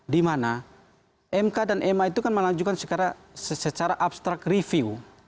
dimana mk dan ma itu kan melanjutkan secara abstrak review